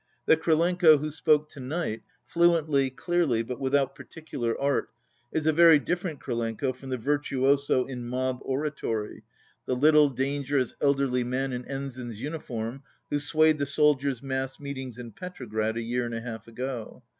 The Krylenko who spoke to night, fluently, clearly, but without particular art, is a very different Krylenko from the virtuoso in mob oratory, the little, dan gerous, elderly man in ensign's uniform who swayed the soldiers' mass meetings in Petrograd a year and a half ago.